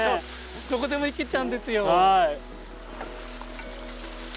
どこでも行けちゃうんですよ。